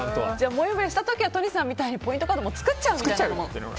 もやもやした時は都仁さんみたいにポイントカードを作っちゃうってことも。